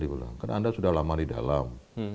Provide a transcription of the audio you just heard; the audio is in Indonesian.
karena anda sudah lama di dalam